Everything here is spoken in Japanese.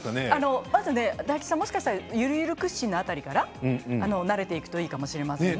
大吉さん、もしかしたらゆるゆる屈伸の辺りから慣れていくといいかもしれません。